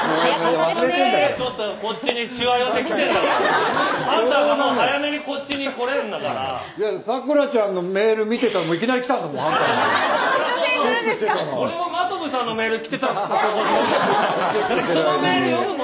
ハンターが早めに来てるんだから咲楽ちゃんのメール見てたらいきなりハンターが来たんだもん。